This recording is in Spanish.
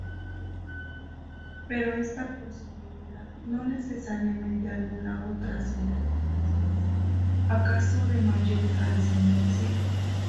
Pero esta posibilidad no necesariamente anula otras interpretaciones, acaso de mayor trascendencia.